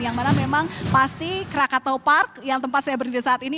yang mana memang pasti krakato park yang tempat saya berdiri saat ini